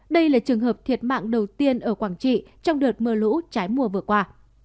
đây là trường hợp thiệt mạng đầu tiên ở quảng trị trong đợt mưa lũ trái mùa vừa qua